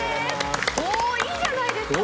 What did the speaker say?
おいいじゃないですか。